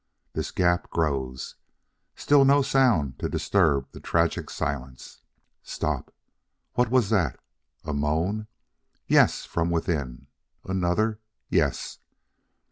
This gap grows. Still no sound to disturb the tragic silence. Stop! What was that? A moan? Yes, from within. Another? Yes.